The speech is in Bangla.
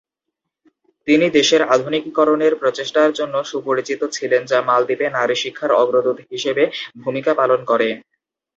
তিনি দেশের আধুনিকীকরণের প্রচেষ্টার জন্য সুপরিচিত ছিলেন, যা মালদ্বীপে নারী শিক্ষার অগ্রদূত হিসেবে ভূমিকা পালন করে।